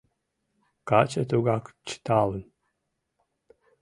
Каче тугак чыталын.